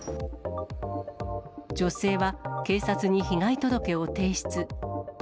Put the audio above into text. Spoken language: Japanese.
女性は警察に被害届を提出。